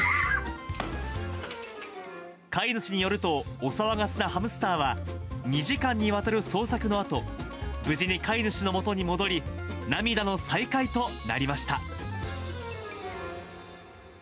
飼い主によると、お騒がせなハムスターは、２時間にわたる捜索のあと、無事に飼い主のもとに戻り、涙の再会となりました。